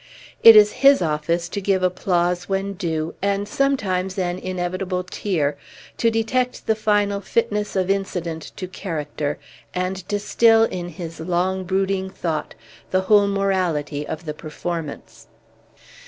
It is his office to give applause when due, and sometimes an inevitable tear, to detect the final fitness of incident to character, and distil in his long brooding thought the whole morality of the performance.